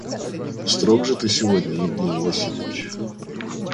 Строг же ты сегодня, Евгений Васильевич.